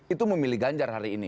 itu memilih ganjar hari ini